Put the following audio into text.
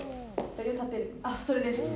それです。